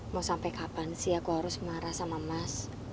mau sampai kapan sih aku harus marah sama mas